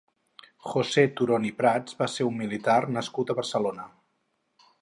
José Turón i Prats va ser un militar nascut a Barcelona.